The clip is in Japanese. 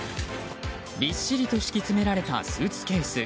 びっしりと敷き詰められたスーツケース。